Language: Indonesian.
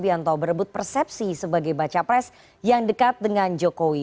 bianto berebut persepsi sebagai baca pres yang dekat dengan jokowi